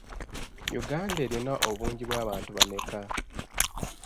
Uganda erina obungi bw'abantu bameka?